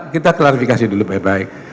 kita klarifikasi dulu baik baik